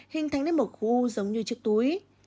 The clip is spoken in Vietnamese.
hình thành đến một khu giống như chiếc túi